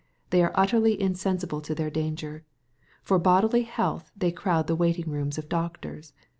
They are utterly insensible to their danger. For bodily health they crowd the waiting rooms of doctors.